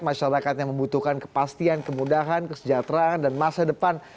masyarakat yang membutuhkan kepastian kemudahan kesejahteraan dan masa depan